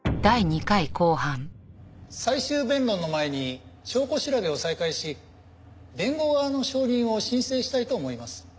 最終弁論の前に証拠調べを再開し弁護側の証人を申請したいと思います。